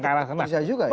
makang ke arah sana